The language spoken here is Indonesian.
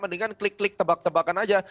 mendingan klik klik tebak tebakan aja